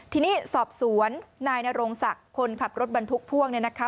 ทีนี้สอบสวนนายนรงศักดิ์คนขับรถบรรทุกพ่วงเนี่ยนะคะ